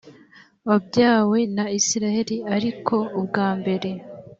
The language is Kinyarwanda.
wabyawe na isirayeli ariko ubwa mbere